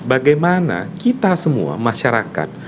bagaimana kita semua masyarakat